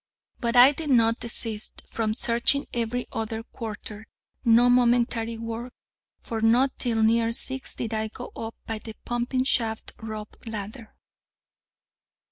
But I did not desist from searching every other quarter, no momentary work, for not till near six did I go up by the pumping shaft rope ladder.